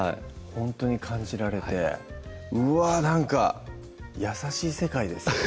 ほんとに感じられてうわなんか優しい世界ですね